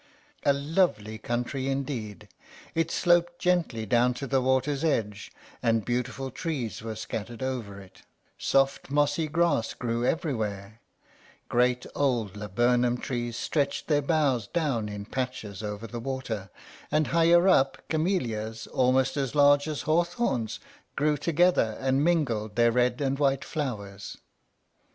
A lovely country indeed! It sloped gently down to the water's edge, and beautiful trees were scattered over it, soft, mossy grass grew everywhere, great old laburnum trees stretched their boughs down in patches over the water, and higher up camellias, almost as large as hawthorns, grew together and mingled their red and white flowers.